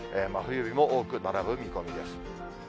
真冬日も多く並ぶ見込みです。